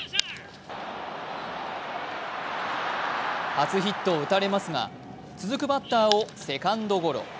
初ヒットを打たれますが続くバッターをセカンドゴロ。